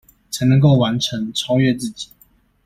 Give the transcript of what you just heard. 才能夠完成、超越自己